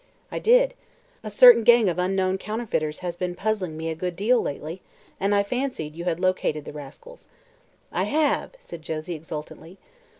"I did. A certain gang of unknown counterfeiters has been puzzling me a good deal lately, and I fancied you had located the rascals." "I have," said Josie exultantly.